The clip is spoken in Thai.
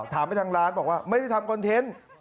ถามไปทางร้านบอกว่าไม่ได้ทำคอนเทนต์